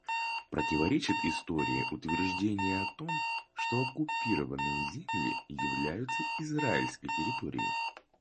Противоречит истории утверждение о том, что оккупированные земли являются израильской территорией.